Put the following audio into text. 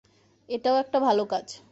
এটাও একটা ভালো কাজ।